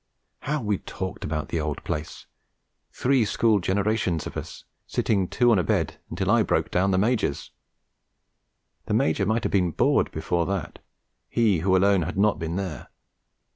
How we talked about the old place, three school generations of us, sitting two on a bed until I broke down the Major's! The Major might have been bored before that he who alone had not been there.